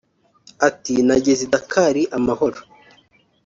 Ati “Nageze i Dakar amahoro